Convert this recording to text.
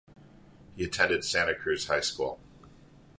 He attended Santa Cruz High School.